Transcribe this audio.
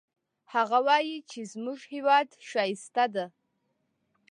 هغه وایي چې زموږ هیواد ښایسته ده